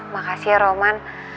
makasih ya roman